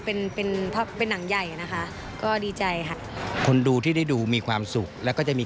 เป็นหนังใหญ่นะคะก็ดีใจ